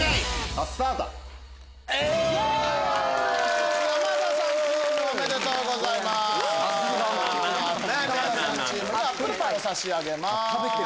アップルパイを差し上げます。